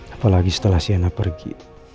apalagi setelah sienna pergi